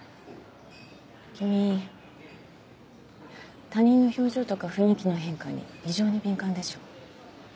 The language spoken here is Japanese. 君他人の表情とか雰囲気の変化に異常に敏感でしょ。